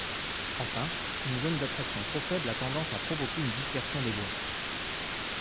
Enfin, une zone d'attraction trop faible à tendance à provoquer une dispersion des boids.